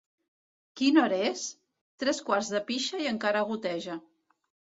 Quina hora és? —Tres quarts de pixa i encara goteja.